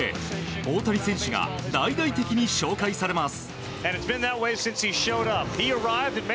大谷選手が大々的に紹介されます。